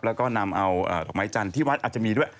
แล้วก็นำเอาดอกไม้จันทร์ที่วัดอาจจะมีด้วย